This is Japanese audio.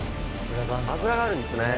脂があるんですね。